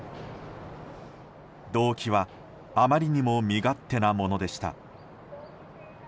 動機はあまりにも身勝手なものでした。